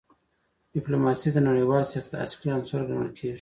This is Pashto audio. ډیپلوماسي د نړیوال سیاست اصلي عنصر ګڼل کېږي.